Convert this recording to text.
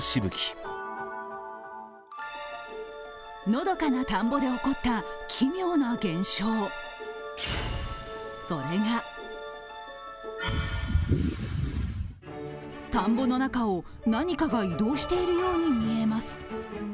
のどかな田んぼで起こった奇妙な現象、それが田んぼの中を何かが移動しているように見えます。